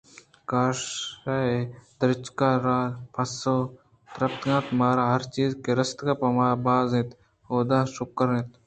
کاش ءَ درٛچک ءَ را پسّہ پرگردینت مارا ہرچیز کہ رَستگ پہ ما باز اِنت ءُ حُدا ءِ شُگر اِنت